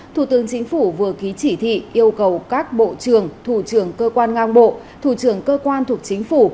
thủ tướng chính phủ vừa ký chỉ thị yêu cầu các bộ trường thủ trường cơ quan ngang bộ thủ trường cơ quan thuộc chính phủ